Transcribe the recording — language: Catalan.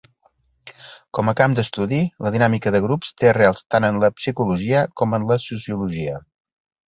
Com a camp d'estudi, la dinàmica de grups té arrels tant en la psicologia com en la sociologia.